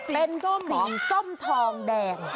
เป็นส้มทองแดง